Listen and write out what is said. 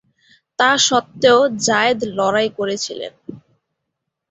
তা সত্ত্বেও জায়েদ লড়াই করেছিলেন।